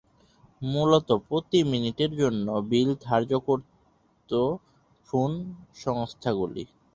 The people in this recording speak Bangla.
মূলত, প্রতি মিনিটের জন্য বিল ধার্য করত ফোন সংস্থাগুলি।